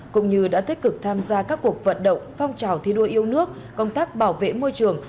cũng như đã tích cực tham gia các cuộc vận động phong trào thi đua yêu nước công tác bảo vệ môi trường